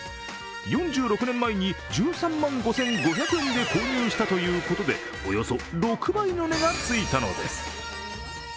４６年前に１３万５５００円で購入したということでおよそ６倍の値がついたのです。